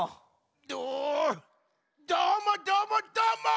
どどーもどーもどーも！